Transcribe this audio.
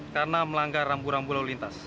karena melanggar rambu rambu lalu lintas